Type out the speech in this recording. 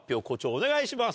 お願いします。